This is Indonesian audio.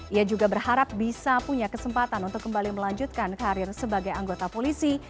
ia juga berharap bisa punya kesempatan untuk kembali melanjutkan karir sebagai anggota polisi